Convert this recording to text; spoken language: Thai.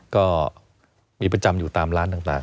ก็มีประจำอยู่ตามร้านต่าง